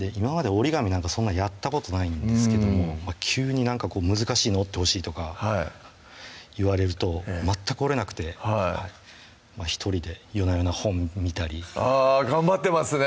折り紙なんかそんなやったことないんですけども急になんか難しいのを折ってほしいとか言われると全く折れなくてはい１人で夜な夜な本見たりあぁ頑張ってますね